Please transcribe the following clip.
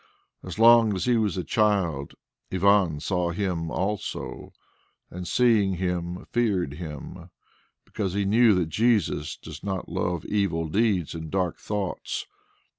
As long as he was a child, Ivan saw Him also, and seeing Him feared Him, because he knew that Jesus does not love evil deeds and dark thoughts.